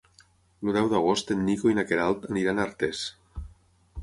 El deu d'agost en Nico i na Queralt aniran a Artés.